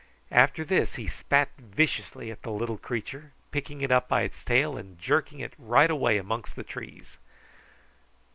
After this he spat viciously at the little creature, picking it up by its tail and jerking it right away amongst the trees.